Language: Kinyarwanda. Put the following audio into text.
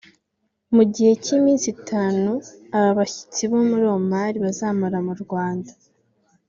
Mu gihe cy’iminsi itanu aba bashyitsi bo muri Omar bazamara mu Rwanda